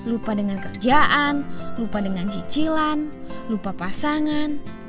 lupa dengan kerjaan lupa dengan cicilan lupa pasangan